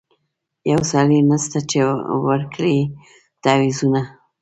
یو سړی نسته چي ورکړي تعویذونه